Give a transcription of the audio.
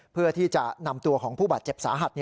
เพื่อที่จะนำตัวของผู้บาดเจ็บสาหัส